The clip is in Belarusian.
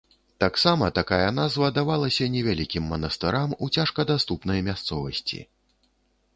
Таксама такая назва давалася невялікім манастырам у цяжкадаступнай мясцовасці.